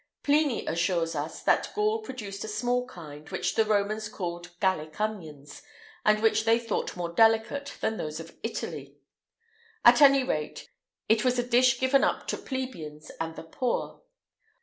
Pliny assures us that Gaul produced a small kind, which the Romans called Gallic onions, and which they thought more delicate than those of Italy.[IX 145] At any rate, it was a dish given up to plebeians and the poor.